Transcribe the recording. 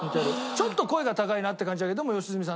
ちょっと声が高いなって感じだけどでも良純さんだね。